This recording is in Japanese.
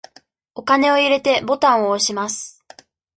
お金を入れて、ボタンを押します。